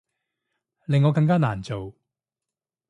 令我更加難做